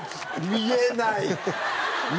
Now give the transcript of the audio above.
見えない！